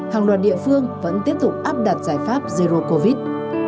hàng loạt địa phương vẫn tiếp tục áp đặt giải pháp zero covid